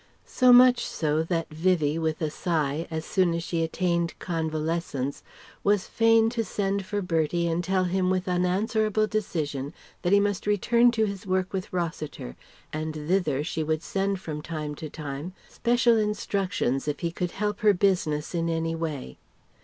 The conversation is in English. So much so, that Vivie with a sigh, as soon as she attained convalescence was fain to send for Bertie and tell him with unanswerable decision that he must return to his work with Rossiter and thither she would send from time to time special instructions if he could help her business in any way.